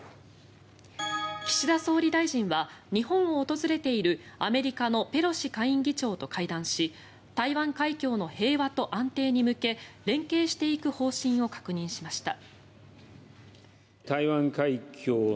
岸田総理大臣は日本を訪れているアメリカのペロシ下院議長と会談し台湾海峡の平和と安定に向け連携していく方針を確認しました。